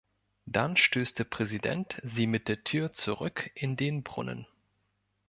Dann stößt der Präsident sie mit der Tür zurück in den Brunnen.